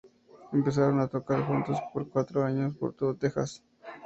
Empezaron a tocar juntos por cuatro años por todo Texas.